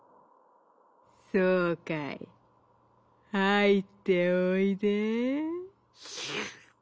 「そうかいはいっておいで」。